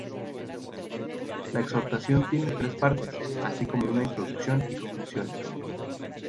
La exhortación tiene tres partes, así como una introducción y conclusiones.